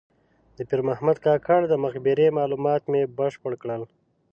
د پیر محمد کاکړ د مقبرې معلومات مې بشپړ کړل.